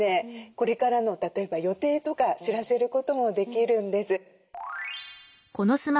これからの例えば予定とか知らせることもできるんです。